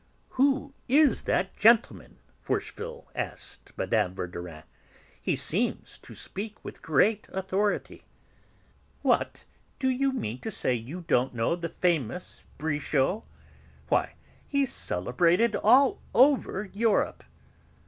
"Who is that gentleman?" Forcheville asked Mme. Verdurin. "He seems to speak with great authority." "What! Do you mean to say you don't know the famous Brichot? Why, he's celebrated all over Europe."